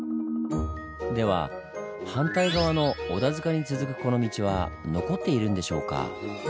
では反対側の織田塚に続くこの道は残っているんでしょうか？